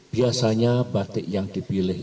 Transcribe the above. biasanya batik yang dipilih